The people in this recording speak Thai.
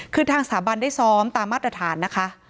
คือทางสถาบันได้ซ้อมตามมาตรฐานนะคะ